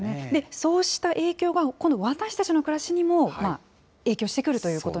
そうした影響が、今度、私たちの暮らしにも影響してくるとい